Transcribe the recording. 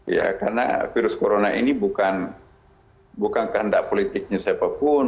ya karena virus corona ini bukan kehendak politiknya siapapun